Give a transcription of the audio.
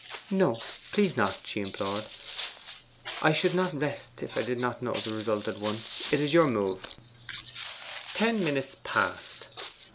'No, please not,' she implored. 'I should not rest if I did not know the result at once. It is your move.' Ten minutes passed.